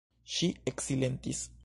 Ŝi eksilentis.